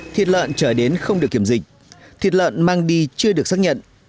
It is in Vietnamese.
thịt lợn trở đến không được kiểm dịch thịt lợn mang đi chưa được xác nhận